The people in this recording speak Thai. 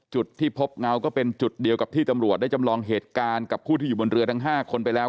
จุดที่พบเงาก็เป็นจุดเดียวกับที่ตำรวจได้จำลองเหตุการณ์กับผู้ที่อยู่บนเรือทั้ง๕คนไปแล้ว